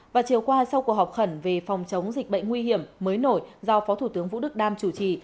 và chiều qua sau cuộc họp khẩn về phòng chống dịch bệnh nguy hiểm mới nổi do phó thủ tướng vũ đức đam chủ trì